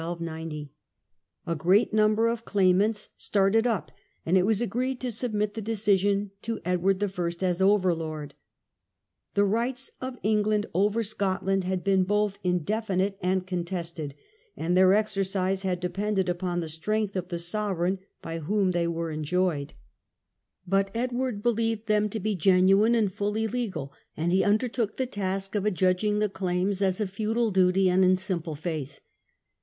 A great Succession. number of claimants started up, and it was agreed to submit the decision to Edward I. as overlord. The rights of England over Scotland had been both indefinite and contested, and their exercise had depended upon the strength of the sovereign by whom they were enjoyed 90 THE BEGINNING OF TROUBLES. But Edward believed them to be genuine and fully legal, and he undertook the task of adjudging the claims as a feudal duty and in simple faith.